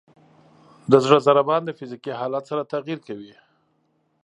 د زړه ضربان د فزیکي حالت سره تغیر کوي.